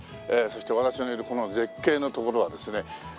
そして私のいるこの絶景の所はですね